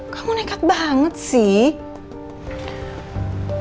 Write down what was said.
kamu nekat banget sih